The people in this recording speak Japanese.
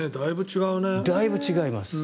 だいぶ違います。